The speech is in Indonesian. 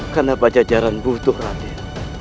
karena pajajaran butuh raden